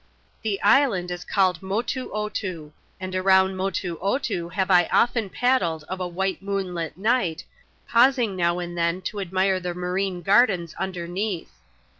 The island is called Motoo Otoo ; and around Motoo Otoo ktre I often paddled of a white moonlight night, pausing now ttd then to admire the marine gardens beneath.